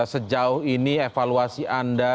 sejauh ini evaluasi anda